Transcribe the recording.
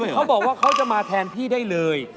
เขาบอกว่าเขาจะมาแทนพี่ได้เลย